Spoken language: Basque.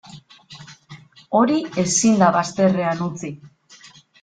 Hori ezin da bazterrean utzi.